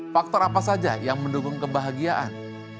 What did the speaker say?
faktor apa saja yang mendukung kebahagiaan